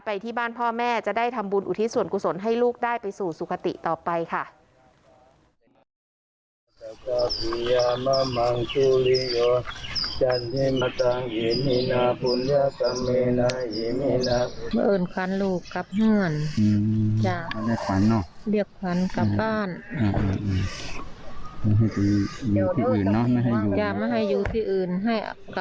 ไปที่บ้านพ่อแม่จะได้ทำบุญอุทิศส่วนกุศลให้ลูกได้ไปสู่สุขติต่อไปค่ะ